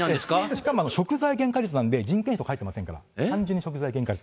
しかも食材原価率なんで、人件費とか入ってませんから、単純に食事の原価率。